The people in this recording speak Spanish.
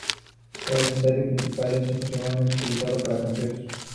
El estadio principal es ocasionalmente utilizado para conciertos.